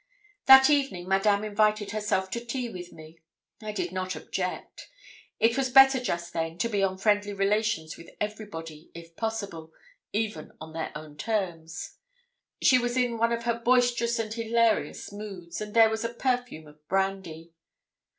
That evening Madame invited herself to tea with me. I did not object. It was better just then to be on friendly relations with everybody, if possible, even on their own terms. She was in one of her boisterous and hilarious moods, and there was a perfume of brandy.